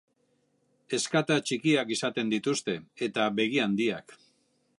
Ezkata txikiak izaten dituzte, eta begi handiak.